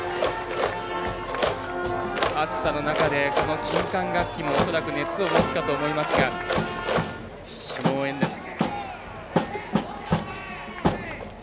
暑さの中で、金管楽器も恐らく熱を持つかと思いますが必死の応援です。